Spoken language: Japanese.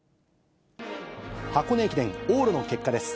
箱根駅伝往路の結果です。